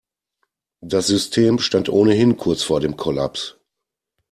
Das System stand ohnehin kurz vor dem Kollaps.